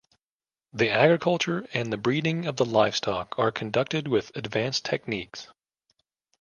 The agriculture and the breeding of the livestock are conducted with advanced techniques.